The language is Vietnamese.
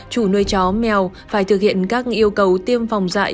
chủ nuôi chó mèo phải thực hiện các yêu cầu tiêm phòng dạy